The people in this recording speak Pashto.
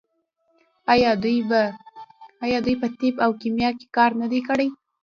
آیا دوی په طب او کیمیا کې کار نه دی کړی؟